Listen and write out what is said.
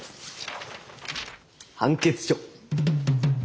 判決書！